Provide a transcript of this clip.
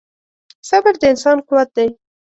• صبر د انسان قوت دی.